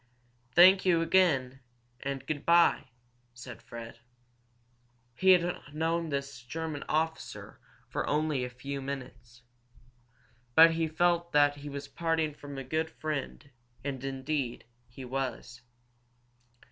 "Thank you again and good bye," said Fred. He had known this German officer for only a few minutes, but he felt that he was parting from a good friend, and, indeed, he was.